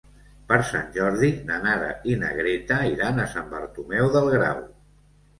Per Sant Jordi na Nara i na Greta iran a Sant Bartomeu del Grau.